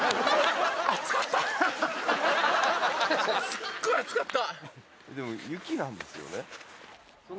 すっごい熱かった。